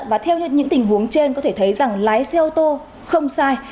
và theo những tình huống trên có thể thấy rằng lái xe ô tô không sai